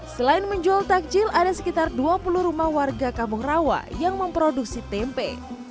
selain menjual takjil ada sekitar dua puluh rumah warga kampung rawa yang memproduksi tempe